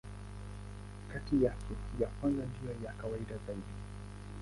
Kati yake, ya kwanza ndiyo ya kawaida zaidi.